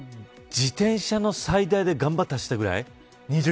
自転車の最大で頑張って走ったぐらい。